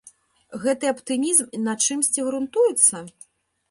Гэты аптымізм на чымсьці грунтуецца?